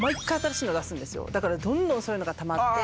だからどんどんそういうのがたまって。